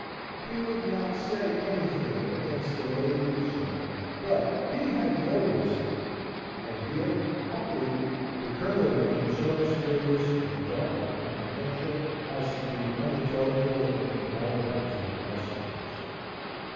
He would not say anything against the lady, sir, but he had noticed And here haply the Colonel became so mysterious and darkly confidential as to be unintelligible and inaudible to the bystanders.